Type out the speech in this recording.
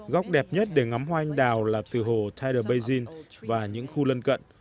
góc đẹp nhất để ngắm hoa anh đào là từ hồ tidal basin và những khu lân cận